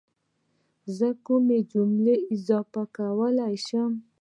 زه کومې جملې اضافه کولای شم